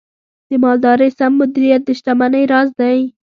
د مالدارۍ سم مدیریت د شتمنۍ راز دی.